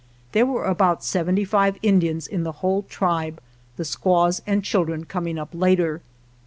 There were about seventy five Indians in the whole tribe, the squaws and children coming up later.